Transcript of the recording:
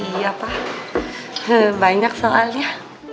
iya pak banyak soalnya